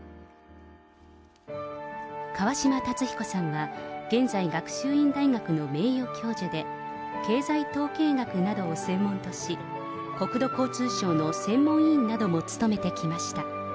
川嶋辰彦さんは、現在、学習院大学の名誉教授で、経済統計学などを専門とし、国土交通省の専門委員なども務めてきました。